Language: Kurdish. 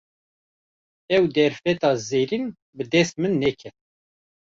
Ew derfeta zêrîn, bi dest min neket